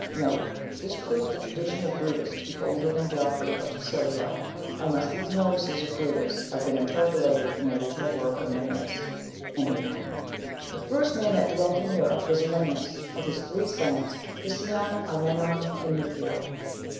* This proves the tradition of Brutus to be older than Geoffrey or Tyssilio, unless these notices of Brutus have been interpolated in the original work of Nennius. The first man that dwelt in Europe was Alanus, with his three sons, Hisicion, Armenon, and Neugio.